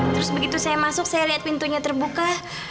terus begitu saya masuk saya lihat pintunya terbuka